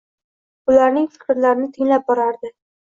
Ularning fikrlarini tinglab borardi.